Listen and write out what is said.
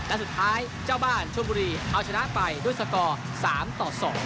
และสุดท้ายเจ้าบ้านชมบุรีเอาชนะไปด้วยสกอร์๓ต่อ๒